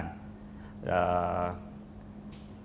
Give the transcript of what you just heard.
contohnya hal hal yang kecil